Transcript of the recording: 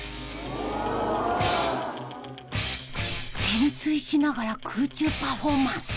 懸垂しながら空中パフォーマンス。